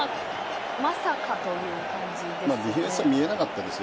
まさかという感じですか。